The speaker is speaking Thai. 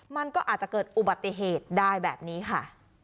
มันก็อาจจะเกิดอุบัติเหตุได้แบบนี้ค่ะ